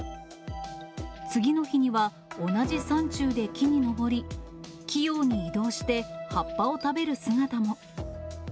次の日には、同じ山中で木に登り、器用に移動して、葉っぱを食べる姿も。